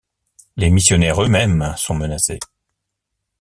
Les missionnaires eux-mêmes sont menacés.